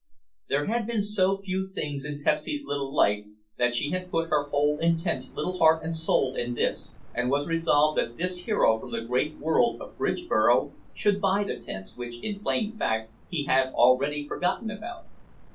There had been so few things in Pepsy's poor little life that she had put her whole intense little heart and soul in this and was resolved that this hero from the great world of Bridgeboro should buy the tents which in plain fact he had already forgotten about.